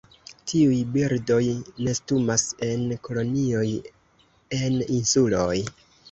Tiuj birdoj nestumas en kolonioj en insuloj.